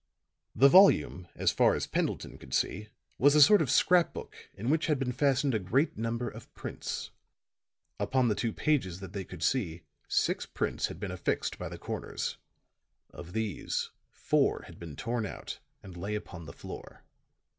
The volume, as far as Pendleton could see, was a sort of scrap book in which had been fastened a great number of prints. Upon the two pages that they could see, six prints had been affixed by the corners. Of these, four had been torn out and lay upon the floor.